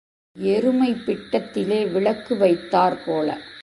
எருமைப் பிட்டத்திலே விளக்கு வைத்தாற் போல.